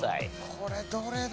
これどれだ？